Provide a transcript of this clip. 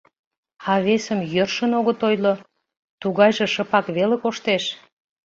А весым йӧршын огыт ойло, тугайже шыпак веле коштеш...